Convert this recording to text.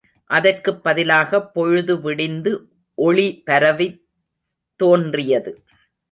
அதற்குப் பதிலாகப் பொழுது விடிந்து ஒளிபரவித் தோன்றியது.